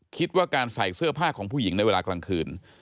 คิดว่าการใส่เสื้อผ้าของผู้หญิงในเวลากลางคืน